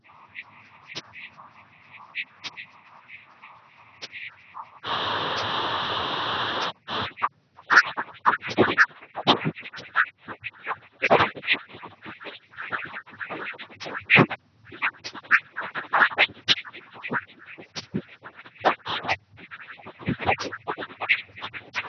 au alama za uakifishaji kama vile kituo na nukta-nusu